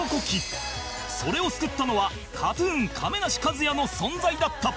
それを救ったのは ＫＡＴ−ＴＵＮ 亀梨和也の存在だった